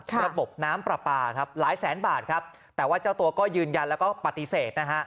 ระบบน้ำปลาปลาครับหลายแสนบาทครับแต่ว่าเจ้าตัวก็ยืนยันแล้วก็ปฏิเสธนะฮะ